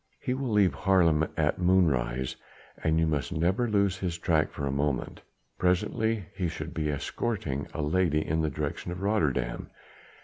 He will leave Haarlem at moonrise, and you must never lose his track for a moment. Presently he should be escorting a lady in the direction of Rotterdam.